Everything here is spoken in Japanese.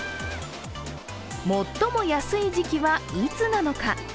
最も安い時期はいつなのか。